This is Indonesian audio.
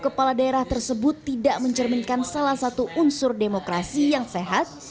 kepala daerah tersebut tidak mencerminkan salah satu unsur demokrasi yang sehat